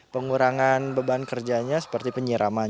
pengurangan beban kerjanya seperti penyiraman